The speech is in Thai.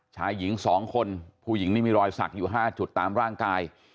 ชายหญิง๒คนผู้หญิงนี่มีรอยสักอยู่๕จุดตามร่างกาย